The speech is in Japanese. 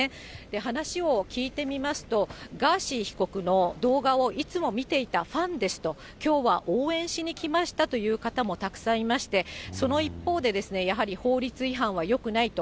話を聞いてみますと、ガーシー被告の動画をいつも見ていたファンですと、きょうは応援しに来ましたという方もたくさんいまして、その一方で、やはり法律違反はよくないと。